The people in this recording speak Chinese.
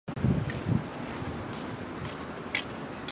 被列入这本书中的名山后来成为游客们向往的游览胜地。